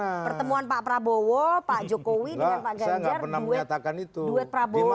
jadi pertemuan pak prabowo pak jokowi dengan pak ganjar duet prabowo ganjar